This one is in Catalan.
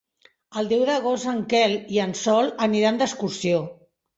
El deu d'agost en Quel i en Sol aniran d'excursió.